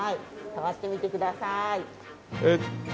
触ってみてください。